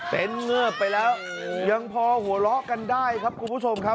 เป็นเงิบไปแล้วยังพอหัวเราะกันได้ครับคุณผู้ชมครับ